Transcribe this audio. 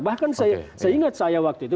bahkan saya ingat saya waktu itu